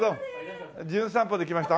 『じゅん散歩』で来ました